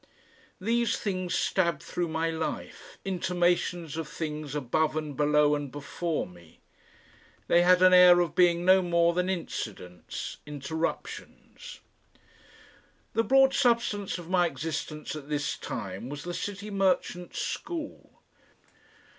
5 These things stabbed through my life, intimations of things above and below and before me. They had an air of being no more than incidents, interruptions. The broad substance of my existence at this time was the City Merchants School.